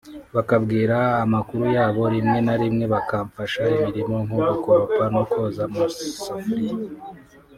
bakambwira amakuru yabo rimwe na rimwe bakamfasha imirimo nko gukoropa no koza amasafuriya